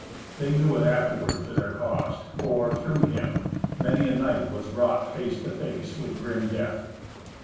They knew it afterward to their cost, for, through him, many a knight was brought face to face with grim death.